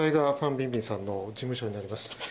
・ビンビンさんの事務所になります。